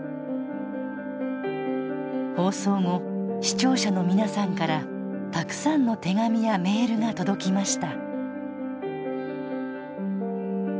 放送後視聴者の皆さんからたくさんの手紙やメールが届きました